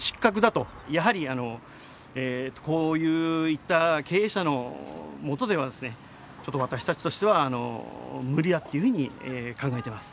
やはりこういった経営者のもとではですねちょっと私たちとしては無理だっていうふうに考えています。